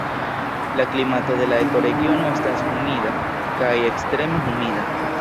La klimato de la ekoregiono estas humida kaj ekstreme humida.